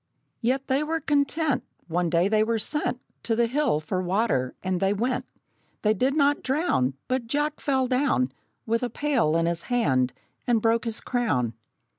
Yet they were content. One day they were sent To the hill for water, and they went. They did not drown, But Jack fell down, With a pail in his hand, and broke his crown!